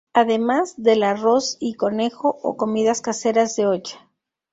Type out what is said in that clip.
Además, del arroz y conejo o comidas caseras de olla.